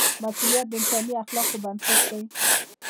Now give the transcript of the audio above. مسؤلیت د انساني اخلاقو بنسټ دی.